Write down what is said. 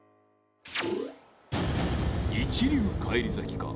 一流返り咲きか？